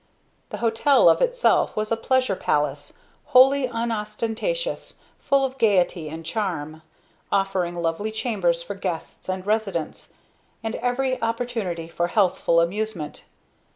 The hotel of itself was a pleasure palace wholly unostentatious, full of gaiety and charm, offering lovely chambers for guests and residents, and every opportunity for healthful amusement.